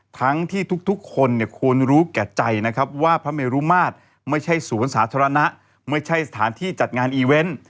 ทั้งที่ทุกคนเนี่ยควรรู้แก่ใจนะครับว่าพระเมรุมาตรไม่ใช่สวนสาธารณะไม่ใช่สถานที่จัดงานอีเวนต์